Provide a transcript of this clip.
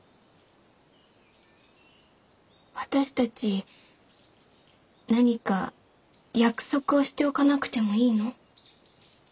私たち何か約束をしておかなくてもいいの？